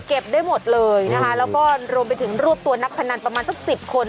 ได้หมดเลยนะคะแล้วก็รวมไปถึงรวบตัวนักพนันประมาณสักสิบคน